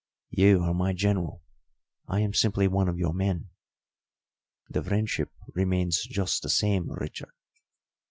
"You are my General; I am simply one of your men." "The friendship remains just the same, Richard.